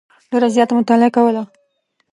ډېره زیاته مطالعه کوله.